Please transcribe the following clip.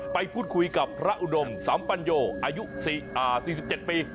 ไปพูดคุยกับพระอุดมสัมปัญโยอายุ๔๗ปี